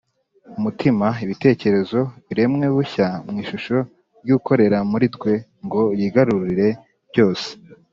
. Umutima, ibitekerezo, biremwe bushya mw’ishusho ry’Ukorera muri twe ngo yigarurire byose